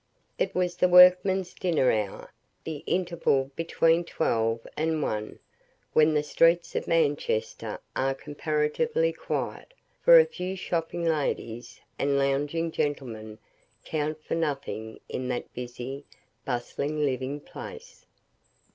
It was the workmen's dinner hour, the interval between twelve and one; when the streets of Manchester are comparatively quiet, for a few shopping ladies and lounging gentlemen count for nothing in that busy, bustling, living place.